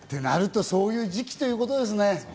そういう時期ということですね。